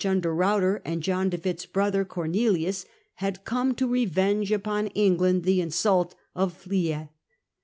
under Ruyter and John De Witt's brother Cornelius, had come to revenge upon England the insult of Flie.